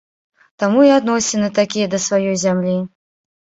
Таму і адносіны такія да сваёй зямлі.